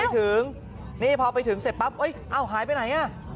พอไปถึงนี่พอไปถึงเสร็จป๊าบอุ๊ยอ้าวหายไปไหนอ่ะ